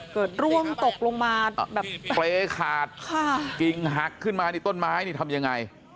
เกิดร่วมตกลงมาเปร้ขาดกิงหักขึ้นมาต้นไม้นี่ทำยังไง